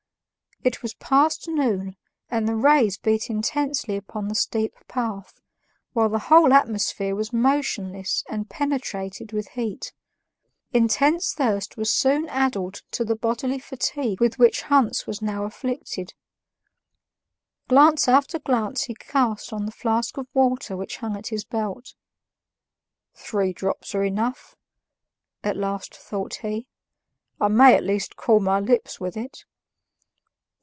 It was past noon and the rays beat intensely upon the steep path, while the whole atmosphere was motionless and penetrated with heat. Intense thirst was soon added to the bodily fatigue with which Hans was now afflicted; glance after glance he cast on the flask of water which hung at his belt. "Three drops are enough," at last thought he; "I may, at least, cool my lips with it."